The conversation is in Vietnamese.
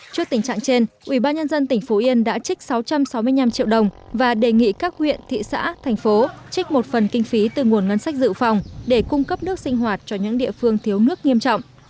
trước tình trạng trên ubnd tỉnh phú yên đã trích sáu trăm sáu mươi năm triệu đồng và đề nghị các huyện thị xã thành phố trích một phần kinh phí từ nguồn ngân sách dự phòng để cung cấp nước sinh hoạt cho những địa phương thiếu nước nghiêm trọng